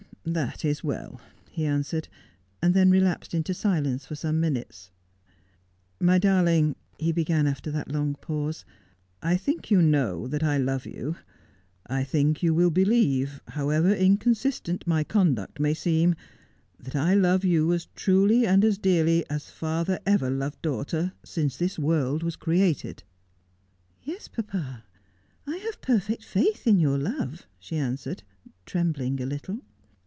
' That is well,' he answered, and then relapsed into silence for some minutes. 'My darling,' he began after that long pause, 'I think you know that I love you. I think you will believe, however inconsistent my conduct may seem, that I love you as truly and as dearly as father ever loved daughter since this world was created.' ' Yes, p.'ipa, I have perfect faith, in your love,' she answered, trembling a little.